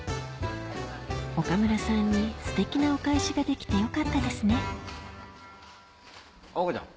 岡村さんにすてきなお返しができてよかったですね岡ちゃん